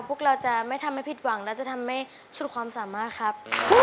พวกเราจะไม่ทำให้ผิดหวังและจะทำให้สุดความสามารถครับ